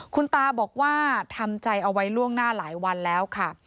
คุณตาบอกว่าทำใจเอาไว้ล่วงหน้าหลายวันแล้วค่ะ